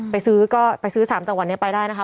ไปซื้อก็ไปซื้อ๓จังหวัดนี้ไปได้นะคะ